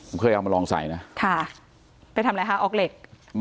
ผมเคยเอามาลองใส่นะค่ะไปทำอะไรคะออกเหล็ก